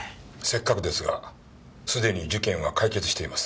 せっかくですがすでに事件は解決しています。